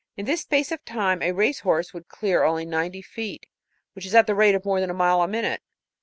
In this space of time a race horse could clear only ninety feet, which is at the rate of more than a mile in a minute.